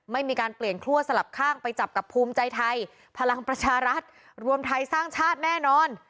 ไม่มีการเปลี่ยนคั่วสลับข้างไปจับกับภูมิใจไทยพลังประชารัฐรวมไทยสร้างชาติแน่นอน